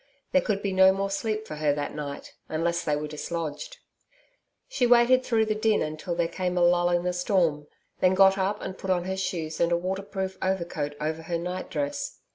There could be no more sleep for her that night, unless they were dislodged. She waited through the din until there came a lull in the storm, then got up and put on her shoes and a waterproof coat over her nightdress.